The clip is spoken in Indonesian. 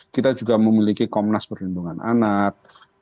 kita juga memiliki komnas perlindungan anak